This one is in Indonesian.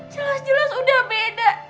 jelas jelas udah beda